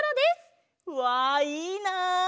うわいいなあ！